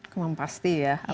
kemampu pasti ya